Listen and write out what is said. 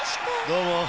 どうも。